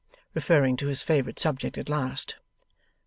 referring to his favourite subject at last.